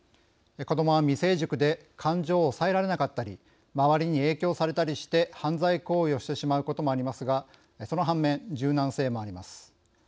子どもは未成熟で感情を抑えられなかったり周りに影響されたりして犯罪行為をしてしまうこともありますがその反面、柔軟性もあります。